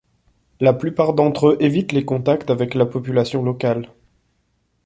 La plupart d'entre eux évitent les contacts avec la population locale.